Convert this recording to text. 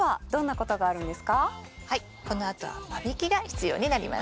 このあとは間引きが必要になります。